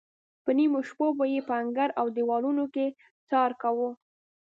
په نیمو شپو به یې په انګړ او دیوالونو کې څار کاوه.